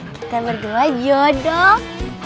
kita berdua jodoh